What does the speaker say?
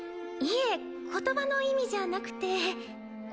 いえ言葉の意味じゃなくて。